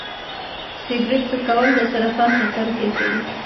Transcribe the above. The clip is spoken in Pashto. سګرټ څکول د سرطان خطر زیاتوي.